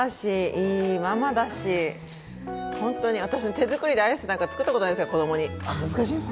いい子だし、いいママだし、本当に私、手作りでアイスは作ったことないですよ、子供に。